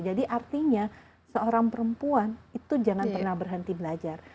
jadi artinya seorang perempuan itu jangan pernah berhenti belajar